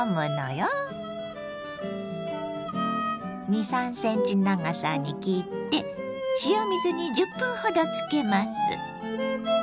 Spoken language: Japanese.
２３ｃｍ長さに切って塩水に１０分ほどつけます。